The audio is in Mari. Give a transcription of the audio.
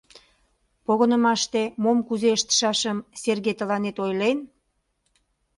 Погынымаште мом кузе ыштышашым Серге тыланет ойлен?